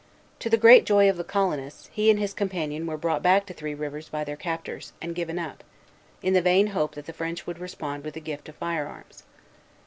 To the great joy of the colonists, he and his companion were brought back to Three Rivers by their captors, and given up, in the vain hope that the French would respond with a gift of fire arms.